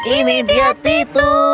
ini dia titu